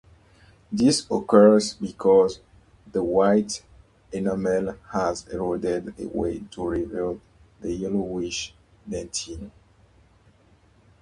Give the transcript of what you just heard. This occurs because the white enamel has eroded away to reveal the yellowish dentin.